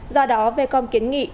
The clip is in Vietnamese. do đó vecom kiến nghị